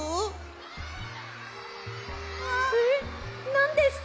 えっなんですか？